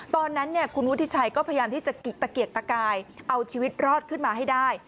ตอนนั้นคุณวุฒิชัยก็พยายามที่จะตะเกียกตะกายเอาชีวิตรอดขึ้นมาให้ได้